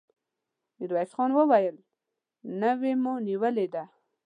ميرويس خان وويل: نوې مو نيولې ده!